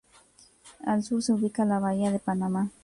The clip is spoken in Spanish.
Al sur se ubica la Bahía de Panamá.